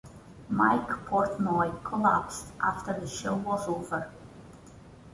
Mike Portnoy collapsed after the show was over.